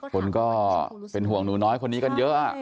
คนก็เป็นห่วงหนูน้อยคนนี้กันเยอะ